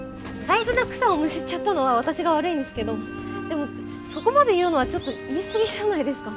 大事な草をむしっちゃったのは私が悪いんですけどでもそこまで言うのはちょっと言い過ぎじゃないですか。